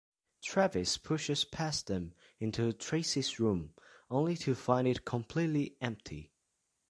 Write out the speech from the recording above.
Travis pushes past them into Tracey's room, only to find it completely empty.